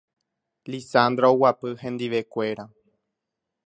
Lizandra oguapy hendivekuéra.